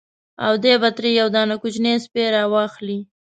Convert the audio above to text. او دی به ترې یو دانه کوچنی سپی را واخلي.